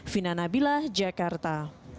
fina nabilah jakarta